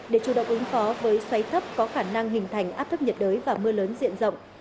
để chủ động ứng phó với xoáy thấp có khả năng hình thành áp thấp nhiệt đới và mưa lớn diện rộng